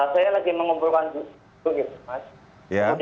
saya lagi mengumpulkan begitu mas